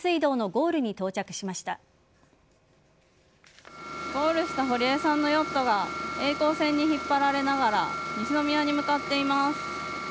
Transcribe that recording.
ゴールした堀江さんのヨットがえい航船に引っ張られながら西宮に向かっています。